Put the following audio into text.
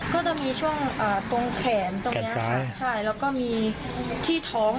ก็จะมีช่วงตรงแขนตรงนี้ค่ะใช่แล้วก็มีที่ท้อง